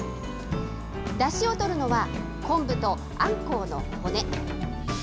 だしを取るのは、昆布とあんこうの骨。